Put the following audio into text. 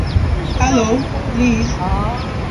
Hello, please.